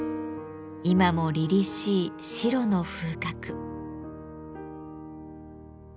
今もりりしい白の風格。